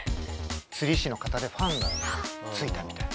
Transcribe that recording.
釣り師の方でファンがついたみたいな。